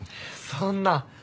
そんな。